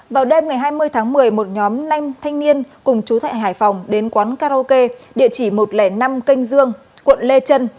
vào đêm ngày hai mươi tháng một mươi một nhóm năm thanh niên cùng chú thại hải phòng đến quán karaoke địa chỉ một trăm linh năm kênh dương quận lê trân